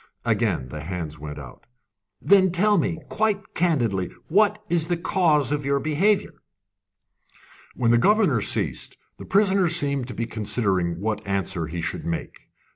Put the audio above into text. Again the hands went out. "Then tell me, quite candidly, what is the cause of your behaviour?" When the governor ceased, the prisoner seemed to be considering what answer he should make.